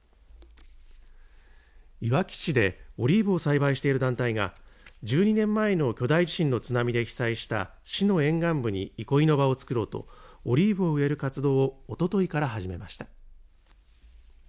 いわき市でオリーブを栽培している団体が１２年前の巨大地震の津波で被災した市の沿岸部に憩いの場を作ろうとオリーブを植える活動をおとといから始めました。